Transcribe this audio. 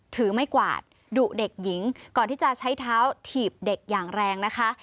ถือไม้กวาดดุเด็กหญิงก่อนที่จะใช้เท้าถีบเด็กอย่างแรงนะคะ